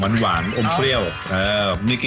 เจ้าผู้เป็นไงคะ